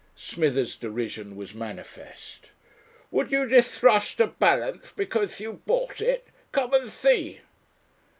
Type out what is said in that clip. Smithers' derision was manifest. "Would you distrust a balance because you bought it? Come and see."